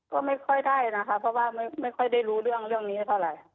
ก็ไม่ค่อยได้นะคะเพราะว่าไม่ค่อยได้รู้เรื่องเรื่องนี้เท่าไหร่